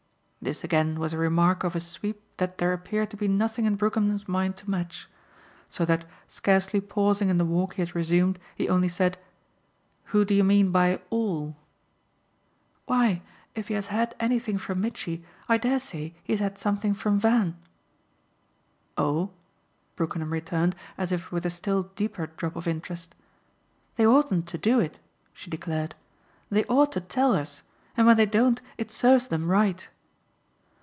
This again was a remark of a sweep that there appeared to be nothing in Brookenham's mind to match; so that, scarcely pausing in the walk he had resumed, he only said: "Who do you mean by 'all'?" "Why if he has had anything from Mitchy I dare say he has had something from Van." "Oh!" Brookenham returned as if with a still deeper drop of interest. "They oughtn't to do it," she declared; "they ought to tell us, and when they don't it serves them right."